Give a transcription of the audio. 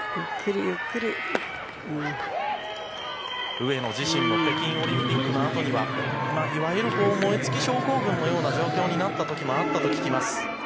上野自身も北京オリンピックのあとにはいわゆる燃え尽き症候群のような状況になったこともあったと聞きます。